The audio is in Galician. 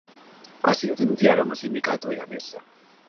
Así o denunciaron o sindicato e A Mesa.